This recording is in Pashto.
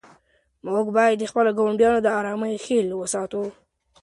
موږ باید د خپلو ګاونډیانو د آرامۍ خیال وساتو.